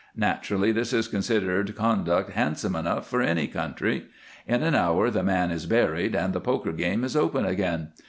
Naturally this is considered conduct handsome enough for any country. In an hour the man is buried and the poker game is open again.